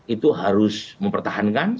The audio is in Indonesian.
itu harus mempertahankan